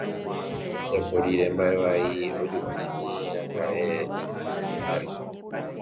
Ojapo rire mba'e vai ojupímiraka'e itypycha ári